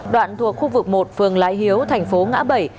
đoạn thuộc khu vực một phường lái hiếu thành phố ngã bảy